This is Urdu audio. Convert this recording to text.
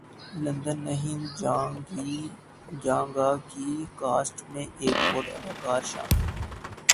لندن نہیں جاں گا کی کاسٹ میں ایک اور اداکار شامل